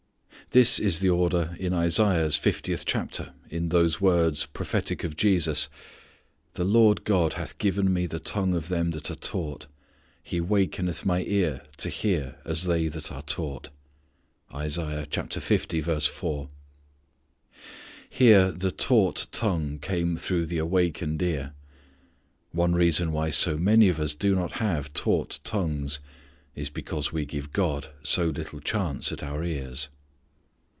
This is the order in Isaiah's fiftieth chapter in those words, prophetic of Jesus. "The Lord God hath given me the tongue of them that are taught.... He wakeneth my ear to hear as they that are taught." Here the taught tongue came through the awakened ear. One reason why so many of us do not have taught tongues is because we give God so little chance at our ears.